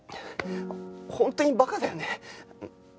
本当にバカだよね。